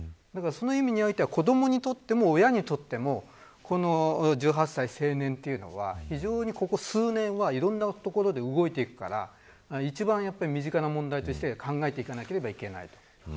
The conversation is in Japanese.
その意味においては子どもにとっても親にとってもこの１８歳、成年というのは非常に、ここ数年はいろんなところで動いていくから一番やっぱり身近な問題として考えなければいけない。